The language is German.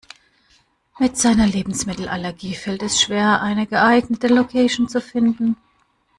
Mit seiner Lebensmittelallergie fällt es schwer, eine geeignete Location zu finden.